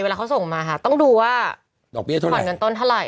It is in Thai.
เวลาเขาส่งมาค่ะต้องดูว่าดอกเบี้ยผ่อนเงินต้นเท่าไห